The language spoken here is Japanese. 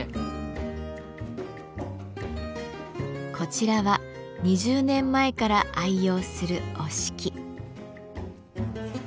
こちらは２０年前から愛用する折敷。